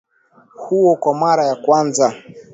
huo kwa mara ya kwanza